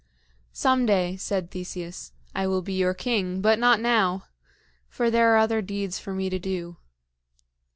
"Some day," said Theseus, "I will be your king, but not now; for there are other deeds for me to do."